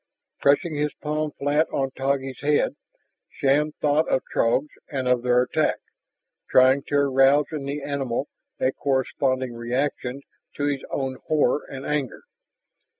Pressing his palm flat on Taggi's head, Shann thought of Throgs and of their attack, trying to arouse in the animal a corresponding reaction to his own horror and anger.